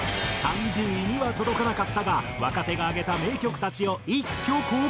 ３０位には届かなかったが若手が挙げた名曲たちを一挙公開。